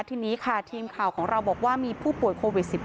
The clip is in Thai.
ทีนี้ค่ะทีมข่าวของเราบอกว่ามีผู้ป่วยโควิด๑๙